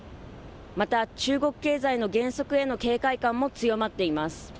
また中国経済の減速への警戒感も強まっています。